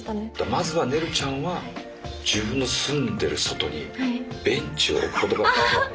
まずはねるちゃんは自分の住んでる外にベンチを置くことから。